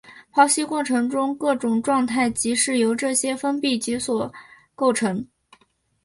剖析过程中的各种状态即是由这些封闭集所构成。